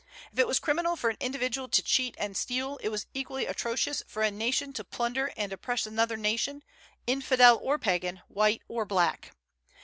If it was criminal for an individual to cheat and steal, it was equally atrocious for a nation to plunder and oppress another nation, infidel or pagan, white or black.